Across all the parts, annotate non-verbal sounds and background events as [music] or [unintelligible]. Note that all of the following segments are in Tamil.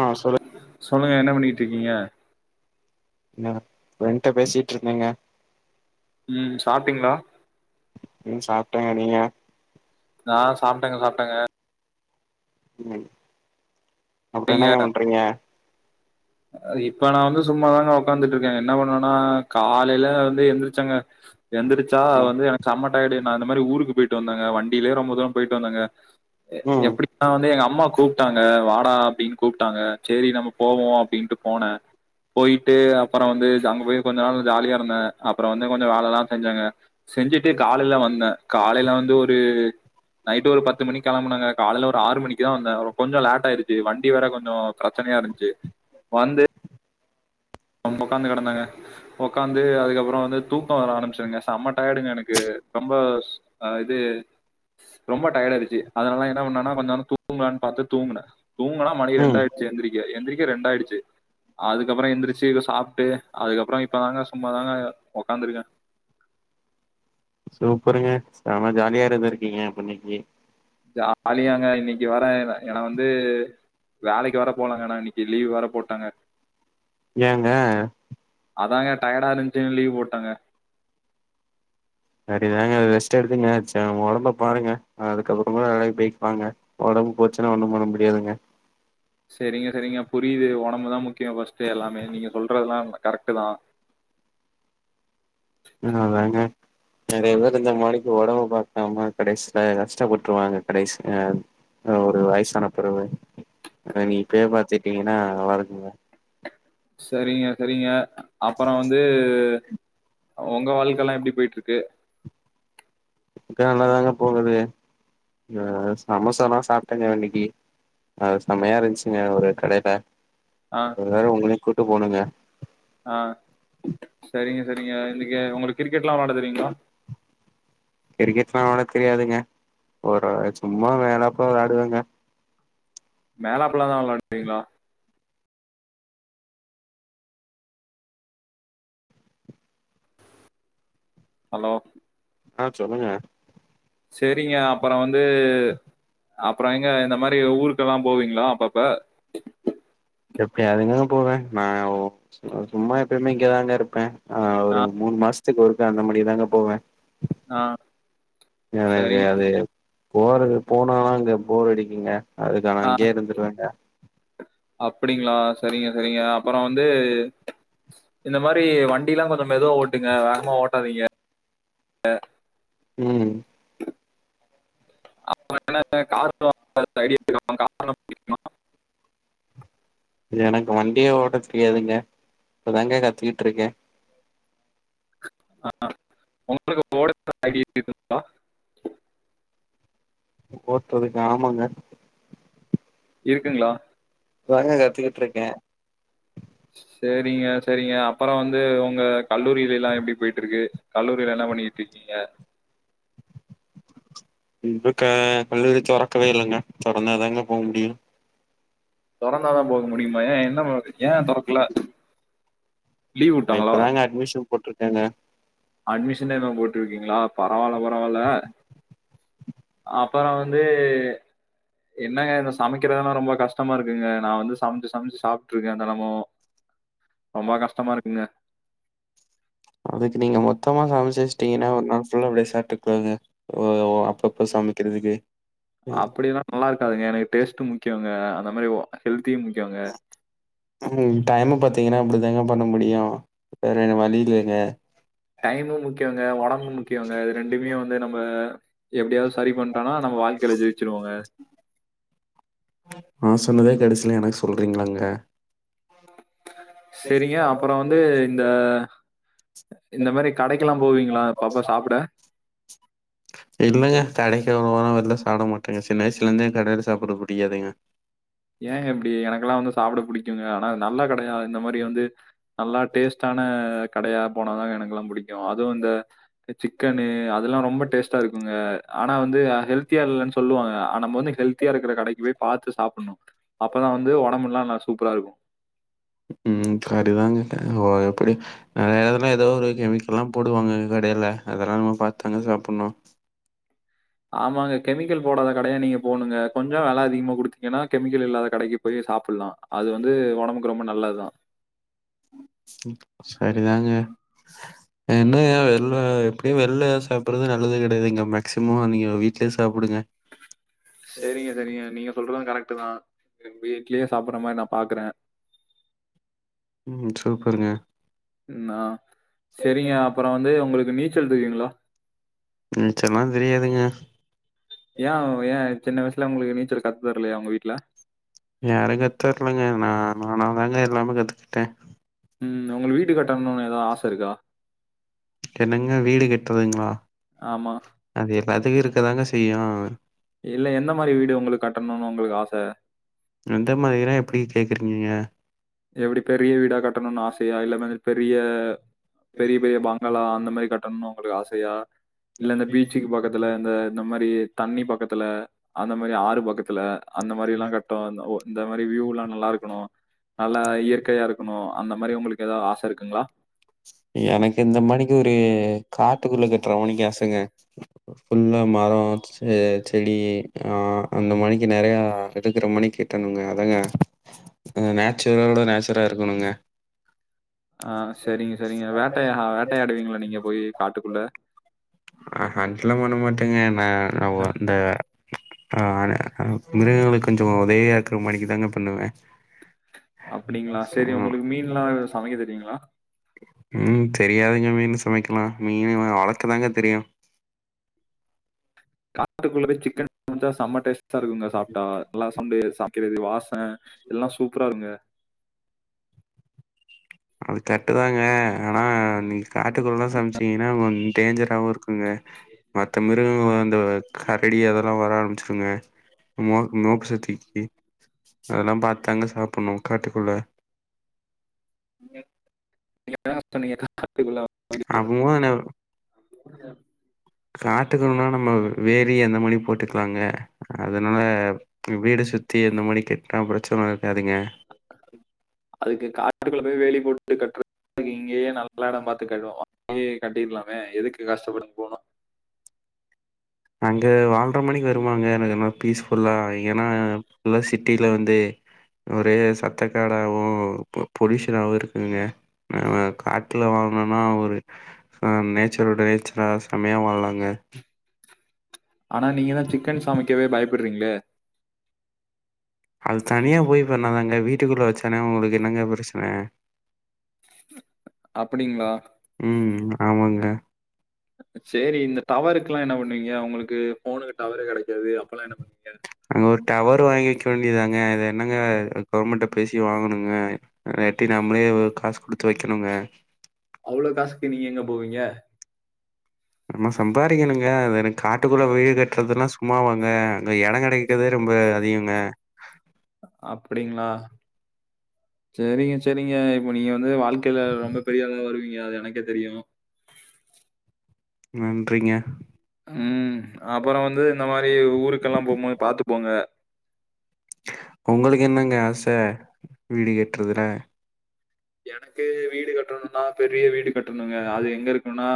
ஆ சொல் சொல்லுங்க என்ன பண்ணிட்டு இருக்கீங்க ங்க ஒன்ட்ட பேசிட்டு இருந்தேங்க ம் சாப்ட்டீங்ளா உம் சாப்ட்டேங்க நீங்க நா சாப்ட்டேங்க சாப்ட்டேங்க உம் அப்புறோ நீங்க என்னங்க பண்றீங்க இப்ப நா வந்து சும்மாதாங்க உக்காந்துட்டு இருக்கே என்ன பண்ணேன்னா காலைல வந்து எந்திரிச்சேங்க எந்துருச்சா ம் வந்து எனக்கு செம்மட்டயடு நா இந்த மாரி ஊருக்கு போய்ட்டு வந்தேங்க வண்டிலே ரொம்ப தூரோ போய்ட்டு வந்தேங்க ம் எப்டினா வந்து எங்க அம்மா கூப்ட்டாங்க வாடா அப்டின்னு கூப்ட்டாங்க சேரி நம்ம போவோ அப்டின்ட்டு போனே போய்ட்டு அப்புறோ வந்து அங்க போய் கொஞ்ச நாள் ஜாலியா இருந்தே அப்புறோ வந்து கொஞ்சோ வேலல்லா செஞ்சேங்க செஞ்சுட்டு காலையில வந்தே காலையில வந்து ஒரு நைட்டு ஒரு பத்து மணிக்கு கிளம்புனேங்க காலையில ஒரு ஆறு மணிக்கு தா வந்தே கொஞ்சோ லேடாய்டுச்சு வண்டி வேற கொஞ்சோ பிரச்சனையா இருந்ச்சு வந்து அங்க உக்காந்து கிடந்தேங்க உக்காந்து அதுக்கப்புறோ வந்து தூக்கோ வர ஆரம்பிச்சிருங்க செம்ம டையிடுங்க எனக்கு ரொம்ப ஆ இது ரொம்ப டைர்டாயிடுச்சு அதனால என்ன பண்ணேனா கொஞ்ச நேரோ தூங்களானு பாத்து தூங்குனே தூங்குனா மணி ம் ரெண்டாயிருச்சு எந்திரிக்க எந்திரிக்க ரெண்டாயிருச்சு அதுக்கப்புறோ எந்திரிச்சு சீக்ரோ சாப்ட்டு அதுக்கப்புறோ இப்பதாங்க சும்மாதாங்க உக்காந்துருக்கே சூப்பருங்க சம்ம ஜாலியா இருந்துருக்கீங்க அப்ப இன்னைக்கு ஜாலியாங்க இன்னைக்கு வரே ஏன்னா வந்து வேலைக்கு வேர போலங்க நா இன்னைக்கு லீவ் வேர போட்டேங்க ஏங்க அதாங்க டயர்டா இருந்துச்சுனு லீவ் போட்டேங்க சரிதாங்க அது ரெஸ்ட் எடுத்துங்கங்க சேரி உடம்ப பாருங்க அதுக்கப்புறமா வேலைக்கு போயிக்குலாங்க உடம்பு போச்சுன்னா ஒண்ணு பண்ண முடியாதுங்க சரிங்க சரிங்க புரியுது உடம்பு தா முக்கியம் ஃபஸ்ட்டு எல்லாமே நீங்க சொல்றதுல்லா கரெக்டு தா ஆஹ் அதாங்க நிறைய பேர் இந்த மாடிக்கு உடம்ப பாக்காம கடைசியில கஷ்டப்பட்டுருவாங்க கடைசில ஒரு வயசான பிறவு நீ இப்பயே பாத்துட்டீங்கன்னா நல்லா இருக்குங்க சரிங்க சரிங்க அப்புறோ வந்து உங்க வாழ்க்கல்லா எப்டி போய்ட்டுருக்கு இப்ப நல்லாதாங்க போகுது ஹ சமோசால்லா சாப்ட்டேங்க இன்னைக்கு அ செம்மையா இருந்துச்சுங்க ஒரு கடையில ஆ, து வேற உங்களையு கூட்டிட்டு போனுங்க ஆஹ் சரிங்க சரிங்க இன்னைக்கு உங்களுக்கு கிரிக்கெட்ல்லா விளையாட தெறீயுங்ளா கிரிக்கெட்லா அவ்ளோ தெரியாதுங்க ஒரு சும்மா மேலப்ல விளையாடுவேங்க மேலாப்புலா தா விளாடுவீங்ளா ஹலோ ஆஹ் சொல்லுங்க சேரிங்க அப்பறொ வந்து அப்பறோ எங்க இந்த மாரி ஊருக்கெல்லா போவீங்களா அப்பப்ப எப்பயாவதுங்கதா போவே நா சும்மா எப்பயுமே இங்க தாங்க இருப்பே ஆ ஒரு மூணு மாசத்துக்கு ஒருக்கா அந்த மானி தாங்க போவே ஆ. எனக்கு சரிங்க. அது போறது போனா அங்க போர் அடிக்குங்க அதுக்கு நா அ இங்கயே இருந்துருவேங்க அப்படிங்களா சரிங்க சரிங்க அப்பறோ வந்து இந்த மாரி வண்டில்லா கொஞ்சோ மெதுவா ஓட்டுங்க வேகமா ஓட்டாதீங்க ம் அப்பன்னா என்ன கார் [inaudible] ஆலோ [inaudible] எனக்கு வண்டியே ஓட்ட தெரியாதுங்க இப்பதாங்க கத்துக்கிட்ருக்கே ஆ ஒங்களுக்கு [inaudible] ஓட்றதுக்கா ஆமங்க இருக்குங்களா இப்ப தாங்க கத்துக்கிட்ருக்கே சேரிங்க சேரிங்க அப்பறோ வந்து ஒங்க கல்லூரிலேல்லா எப்டி போயிட்ருக்கு கல்லூரில என்னா பண்ணிகிட்டிருக்கீங்க இப்ப க கல்லூரி தொறக்கவே இல்லங்க தொறந்தாதாங்க போக முடியு தொறந்தாதா போக முடியுமா ஏ என்ன பழக் ஏ தொறக்கல நா லீவுட்டாங்களா இப்பதாங்க அட்மிஷன் போட்ருக்கேங்க அட்மிஷனேதா போட்ருக்கீங்களா பரவால்ல பரவால்ல அப்பறோ வந்து என்னங்க இந்த சமைக்கிறதல்லா ரொம்ப கஷ்டமா இருக்குங்க நா வந்து சமைச்சு சமைச்சு சாப்ட்ருக்கே தெனமு ரொம்ப கஷ்டமா இருக்குங்க அதுக்கு நீங்க மொத்தமா சமச்சுவச்ட்டீங்கன்னா ஒரு நாள் ஃபுல்லா அப்டியே சாட்டுக்குவங்க ஓ வ அப்பப்ப சமைக்கிறதுக்கு அப்டில்லா நல்லாருக்காதுங்க எனக்கு டேஸ்டு முக்கியங்க அந்த மாரி ஹெல்தியு முக்கியங்க ம் டைமு பாத்தீங்கன்னா அப்டி இதாங்க பண்ண முடியு வேற வழி இல்லங்க டைமு முக்கியங்க ஒடம்பு முக்கியங்க இது ரெண்டுமே வந்து நம்ம எப்டியாவது சரி பண்டம்னா நம்ம வாழ்க்கேல ஜெய்ச்சுருவோங்க நா சொன்னதே கடசீல எனக்கு சொல்றீங்களாங்க செரிங்க அப்பறோ வந்து இந்த இந்த மாரி கடைக்கெல்லா போவீங்களா அப்பப்ப சாப்ட [inaudible] இல்லங்க கடைக்கு ஒரு வாரோ வெளில சாப்ட மாட்டேங்க சின்ன வயசுல இருந்தே கடேல சாப்பற்றது புடிக்காதுங்க ஏங்க இப்டி எனக்கல்லா வந்து சாப்ட புடிக்குங்க ஆனா நல்ல கட யா இந்த மாரி வந்து நல்லா டேஸ்ட்டான கடையா போனாதாங்க எனக்கல்லா புடிக்கு அதுவு இந்த சிக்கனு அதல்லா ரொம்ப டேஸ்ட்டா இருக்குங்க ஆனா வந்து ஹெல்த்தியா இல்லன்னு சொல்லுவாங்க நம்ம வந்து ஹெல் தியா இருக்குற கடைக்கு போய் பாத்து சாப்பண்ணு அப்பதா வந்து ஒடம்புல்லா நல்லா சூப்பரா இருக்கு ம் கறிதான்ங்க ஓ எப்டி நெறைய எடத்துல எதோ ஒரு கெமிக்கல்லா போட் றுவாங்கங்க கடேல அதல்லா நம்ம பாத்தாங்க சாப்பண்ணு ஆமாங்க கெமிக்கல் போடாத கடையா நீங்க போண்ணுங்க கொஞ்சம் விலை அதிகமா குடுத்தீங்கன்னா கெமிக்கல் இல்லாத கடைக்கு போயோ சாப்புட்லா அது வந்து ஒடம்புக்கு ரொம்ப நல்லதா செரிதாங்க என்னயா வெள்ல எப்படியு வெள்ல சாப்பிட்றது நல்லது கெடையாது இங்க மேக்ஸிமோ நீங்க வீட்லயே சாப்புடுங்க செரிங்க செரிங்க நீங்க சொல்றது கரெக்ட் தா இனி வீட்லேயே சாப்புட்ற மாரி நா பாக்குறே ம் சூப்பருங்க நா செரிங்க அப்றோ வந்து உங்களுக்கு நீச்சல் தெரியுங்ளா நீச்சல்லா தெரியாதுங்க ஏ அவுங் ஏ சின்ன வயசுல உங்களுக்கு நீச்சல் கத்து தர்லையா உங்க வீட்ல யாரு கத்து தர்லங்க நான் நானா தாங்க எல்லாமே கத்துக்கிட்டே ம் உங்களுக்கு வீட்டு கட்டணும்னு எதாது ஆச இருக்கா என்னங்க வீடு கட்றதுங்ளா ஆமா அது எல்லாத்துக்கு இருக்கதாங்க செய்யு இல்ல எந்த மாரி வீடு உங்களுக்கு கட்டணும்னு உங்களுக்கு ஆச எந்த மாரினா எப்டி கேட்குறீங்க நீங்க எப்டி பெரிய வீடா கட்டணும்னு ஆசையா இல்ல இது மாதி பெரிய பெரிய பெரிய பங்களா அந்த மாரி கட்ட கட்னோ உங்களுக்கு ஆசையா இல்ல இந்த பீச்சுக்கு பக்கத்துல இந்த இந்த மாரி தண்ணி பக்கத்துல அந்த மாரி ஆறு பக்கத்துல அந்த மாரில்லா கட்டு இந்த மாரி வியூ எல்லா நல்லா இருக்கணு நல்லா இயற்கையா இருக்கணு அந்த மாரி உங்களுக்கு ஏதாது ஆச இருக்குங்ளா எனக்கு இந்த மாணிக்கு ஒரு காட்டுக்குள்ள கட்டுறமாணிக்கு ஆசங்க ஃபுல்லா மரோ செ செடி ஆ அந்த மாணிக்கு நெறைய எடுக்குற மாணிக்கு கெட்டணுங்க அதாங்க எங்க நேச் நேச்சர் ஓட நேச்சரா இருக்குணோங்க ஆ செரிங்க செரிங்க வேட்டையா வேட்டையாடுவீங்ளாங்க நீங்க போயி காட்டுக்குள்ள அ ஹண்டலா பண்ண மாட்டேங்க நா நா ஒ அந்த ஆ ஆனா மிருகங்களுக்கு கொஞ்சோ உதவியா இருக்குற மாணிக்கு தாங்க பண்ணுவே அப்டிங்ளா ஆ செரி உங்களுக்கு மீன்லா வாங் சமைக்க தெரியுங்ளா ம் தெரியாதுங்க மீன் சமைக்கலா மீன் வளக்கதாங்க தெரியு காட்டுக்குள்ள போய் சிக்கன் சமைச்சா செம்ம டேஸ்டா இருக்குங்க சாப்டா நல்லா சண்டே வெக்கிறது வாசன எல்லா சூப்பரா இருக்குங்க அது கரெக்ட் தாங்க ஆனா நீங்க காட்டுக்குள்ளலா சமைச்சீங்கன்னா கொஞ் டேஞ்சராவு இருக்குங்க மத்த மிரு மிருகோ அந்த கரடி அதெல்லா வர ஆரம்பிச்சிருங்க மோ மோப் சக்திக்கு அதெல்லா பாத்தாங்க சாப்புட்ணு காட்டுக்குள்ள இங்க நீங்கதா சொன்னீங்க காட்டுக்குள்ளோ அப்றமா நா [unintelligible] காட்டுக்குள்ளன்னா நம்ம வேலி அந்த மாணிக் போட்டுக்கலாங்க அதனால வீடு சுத்தி இந்த மாணிக் கட்னா பிரச்சன இருக்காதுங்க அதுக்கு காட்டு குள்ள போய் வேலி போட்டு கட்றக் இங்கேயே நல்ல எடோபாத்து கட்டு இங்கேயே கட்டிக்லாமே எதுக்கு கஷ்டப்பட்டு போனு அங்க வால்ற மாணிக்கு வருமாங்க எனக்கு ஏனா பீஸ்ஃபுல்லா ஏன்னா ஃபுல்லா சிட்டில வந்து ஒரே சத்தக்கடாவு போலிஷனாவு இருக்குங்க நானா காட்டுல வாழ்ந்தன்னா ஒரு ஆ நேச்சரோட நேச்சரா செமையா வாழ்லாங்க ஆனா நீங்க தா சிக்கன் சமைக்கவே பயப்படுறீங்களே அது தனியா போய் பண்ணாதாங்க வீட்டுக்குள்ள வெச்சானே உங்களுக்கு என்னங்க பிரச்சனை அப்படிங்களா ம் ஆமாங்க சேரி இந்த டவருக்குல்லா என்ன பண்ணுவீங்க உங்களுக்கு போனுக்கு டவரே கெடைக்காது அப்போலா என்ன பண்ணுவீங்க அங்க ஒரு டவர் வாங்கி வேண்டியதாங்க அது இன்னங்க அது கவர்மெண்ட்ட பேசி வாங்கணுங்க இல்லாட்டி நம்மளே ஒர் காஸ் கொடுத்து வெக்கணுங்க அவ்ளோ காஸ்க்கு நீங்க எங்க போவீங்க நம்ம சம்பாரிக்கணுங்க அது எனக் காட்டுக்குள்ள வீடு கட்றதுனா சும்மாவாங்க அங்க இடங் கெடைக் கிறதே ரொம்ப அதிகங்க அப்டிங்கலா சேரிங்க சேரிங்க இப்ப நீங்க வந்து வ வாழ்க்கையில ரொம்ப பெரிய ஆளா வருவீங்க அது எனக்கே தெரியு நன்றிங்க ம் அப்றோ வந்து இந்த மாரி ஊருக்கெல்லா போம் போது பாத்து போங்க உங்களுக்கு என்னங்க ஆசை வீடு கட்றதுல எனக்கு வீடு கட்டனுனா பெரிய வீடு கட்டனுங்க அது எங்க இருக்கனுனா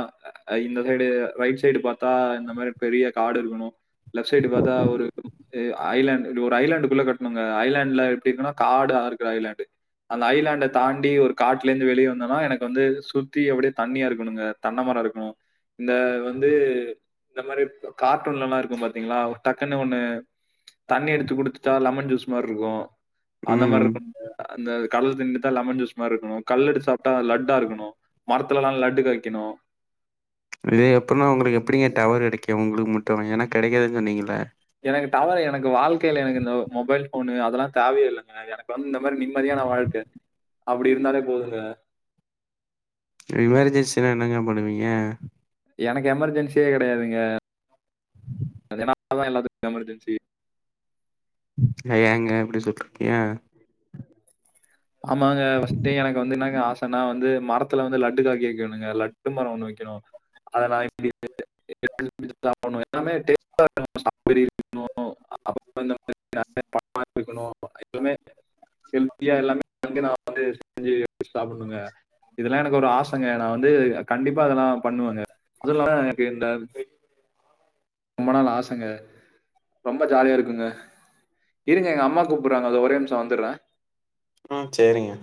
அ இந்த சைடு ரைட் சைடு பாத்தா இந்த மாரி பெரிய காடு இருக்கணு லெஃப்ட் சைடு பாத்தா ஒரு எ ஐலான்டு இப்பிடி ஒரு ஐலாண்டுகுள்ள கட்டனுங்க ஐலாண்ட்ல எப்டி இருக்குன்னா காடு ஆர்க்கு ஐலாண்டு அந்த ஐய்லேன்ட தா அப்டியே ஒரு காட்டுல இருந்து வெளியே வந்தோனா எனக்கு வந்து சுத்தி அப்டியே தண்ணியா இருக்கணுங்க தென்ன மரோ இருக்கணு இந்த வந்து இந்த மாரி கார்ட்டூன்ல இருக்கு பாத்தீங்கலா டக்குன்னு ஒன்னு தண்ணி எடுத்து கொடுத்துட்டா லெமன் ஜூஸ் அந்த மாரி இருக்கு அந்த மாரி ம் இருக்கு அந்த கடல் தண்ணில தா லெமன் ஜூஸ் மாரி இருக்கனு கல்லு எடுத்து சாப்டா லட்டா இருக்கணு மரத்துலலா லட்டு காய்க்கனு இது எப்புடின்னா உங்களுக்கு எப்புடிங்க டவர் கிடைக்கு உங்களுக்கு மட்டு எனக் கெடக்காதுன் சொன்னீங்கல்ல எனக்கு டவரு எனக்கு வாழ்க்கைல எனக்கு இந்த மொபைல் போனு அதெல்லா தேவயே இல்லைங்க எனக் வந்து இந்த மாதிரி நிம்மதியான வாழ்க்கை அப்டி இருந்தாலே போதுங்க இமெர்ஜென்சினா என்னங்க பண்ணுவீங்க எனக்கு எமர்ஜென்சியே கெடயாதுங்க அது என்னால தா எல்லாத்துக்கு எமர்ஜென்சி ஏங்க இப்பிடி சொல்றீங்க ஆமாங்க பஸ்ட்டே எனக்கு வந்து இன்னாங்க ஆஸ் நா வந்து மரத்துல வந்து லட்டு காய்க வெக்கணுங்க லட்டு மரோ ஒன்னு வெக்கணு [inaudible] ஓ அப் அப்பே இந்த மாரி எப்பமே ஹெல்த்தியா எல்லாமே அங்க நா வந்து செஞ்சு எடுத்து சாப்பட்ணுங்க இதெல்லா எனக்கு ஒரு ஆசைங்க நா வந்து கண்டிப்பா இதெல்லா பண்ணுவேங்க அது இல்லாத எனக்கு இந்த ரொம்ப நாள் ஆசைங்க ரொம்ப ஜாலியா இருக்குங்க இருங்க எங்க அம்மா கூப்புட்றாங்க அதோ ஒரே நிம்ஷோ வந்துட்ற ம் சேரிங்க